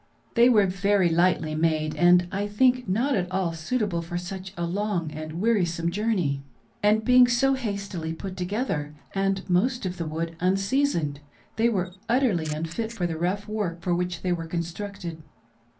They were very lightly made and I think not at all suitable for such a long and wearisome jour ney ; and being so hastily put together and most of the wood unseasoned, they were utterly unfit for the rough work for which they were constructed.